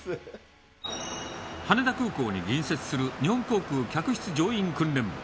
羽田空港に隣接する日本航空客室乗員訓練部。